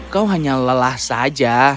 kau hanya lelah saja